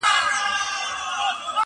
o څې کوې، چي نې کوې٫